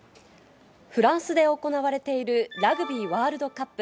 フランスで行われているラグビーワールドカップ。